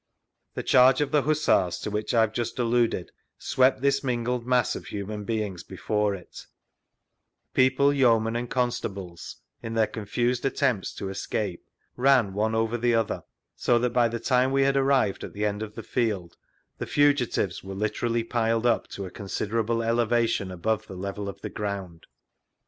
The charge of the Hussars, to which I have just alluded, swept this mingled mass of human vGoogIc SIR WILLIAM JOLLIFFE'S NARRATIVE 53 beings before it ; peo{rie, yeomen, and constables, in their confused attempts to escape, ran one over the other; so thai by the time we had arrived at the end of the 6eld the fugitives were literally piled up to a considerable elevation above the level of the ground.